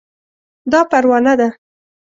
دا پروانه ده